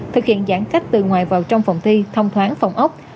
thực hiện giãn cách từ ngoài vào trong phòng thi thông thoáng phòng ốc